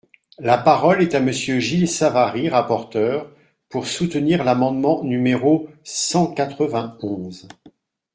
La parole est à Monsieur Gilles Savary, rapporteur, pour soutenir l’amendement numéro cent quatre-vingt-onze.